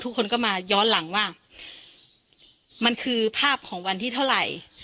ทุกคนก็มาย้อนหลังว่ามันคือภาพของวันที่เท่าไหร่